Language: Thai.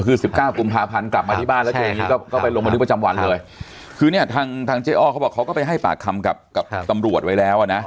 คือสิบเก้ากุมภาพันธ์กลับมาที่บ้านแล้วเจออย่างนี้ก็ก็ไปลงบันทึกประจำวันเลยคือเนี่ยทางทางเจ๊อ้อเขาบอกเขาก็ไปให้ปากคำกับกับตำรวจไว้แล้วอ่ะนะ